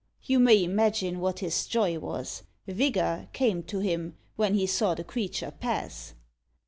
You may imagine what his joy was. Vigour Came to him, when he saw the creature pass.